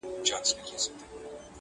حاکم وویل بهتره ځای شېراز دئ!.